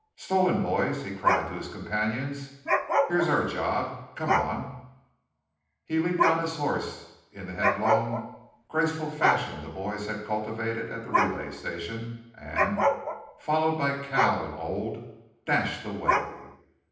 "Stolen, boys!" he cried to his companions. "Here's our job! Come on!" He leaped on his horse in the headlong, graceful fashion the boys had cultivated at the relay station, and, followed by Cal and Old, dashed away.